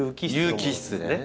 有機質でね。